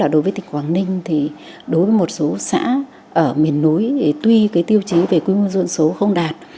đối với tỉnh quảng ninh thì đối với một số xã ở miền núi thì tuy tiêu chí về quy mô dân số không đạt